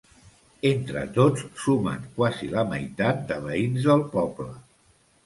Entre tots sumen quasi la meitat de veïns del poble.